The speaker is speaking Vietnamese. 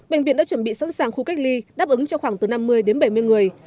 bệnh viện đã chuẩn bị sẵn sàng khu cách ly đáp ứng cho khoảng từ năm mươi đến bảy mươi người